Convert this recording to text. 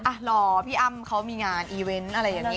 อยากรอพี่อ้ำเขามีงานอีเวนต์อะไรแบบนี้